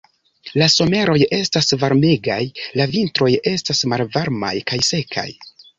La someroj estas varmegaj, la vintroj estas malvarmaj kaj sekaj.